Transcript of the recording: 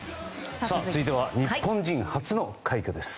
続いては日本人初の快挙です。